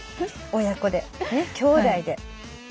親子できょうだいで。